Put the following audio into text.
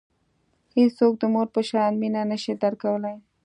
هیڅوک د مور په شان مینه نه شي درکولای.